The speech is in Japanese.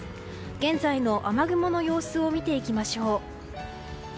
現在の雨雲の様子を見ていきましょう。